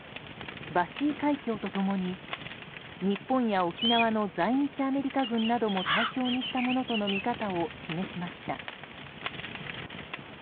バシー海峡と共に、日本や沖縄の在日アメリカ軍なども対象にしたものとの見方を示しました。